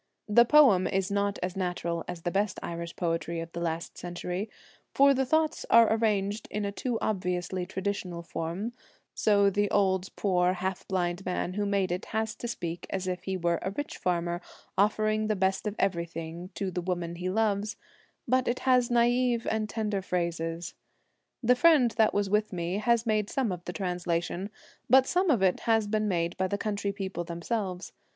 The poem is not as natural as the best Irish poetry of the last century, for the thoughts are arranged in a too obviously traditional form, so the old poor half blind man who made it has to speak as if he were a rich farmer offer ing the best of everything to the woman he loves, but it has naive and tender phrases. The friend that was with me has made some of the translation, but some of it has been made by the country people themselves.